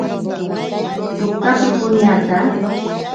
Tsika pipoñaka.